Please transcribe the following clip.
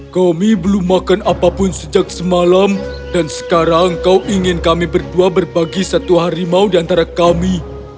kami belum makan apapun sejak semalam dan sekarang kau ingin kami berdua berbagi satu harimau diantara kami